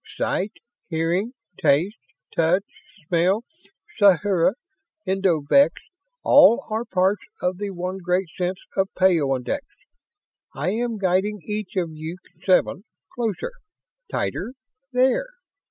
Sight, hearing, taste, touch, smell, sathura, endovix all are parts of the one great sense of peyondix. I am guiding each of you seven closer! Tighter! There!